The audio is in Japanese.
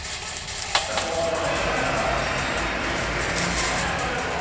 はいお見事。